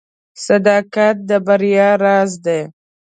• صداقت د بریا راز دی.